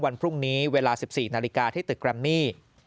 วันพรุ่งนี้เวลา๑๔นาฬิกาที่ตึกแรมมี่